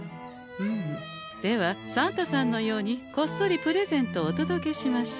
ふむではサンタさんのようにこっそりプレゼントをお届けしましょう。